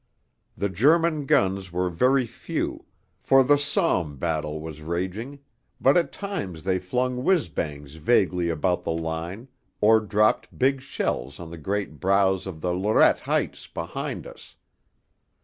The German guns were very few, for the Somme battle was raging, but at times they flung whizz bangs vaguely about the line or dropped big shells on the great brows of the Lorette Heights behind us.